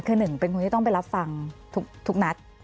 คือหนึ่งเป็นคนที่ต้องไปรับฟังทุกนัด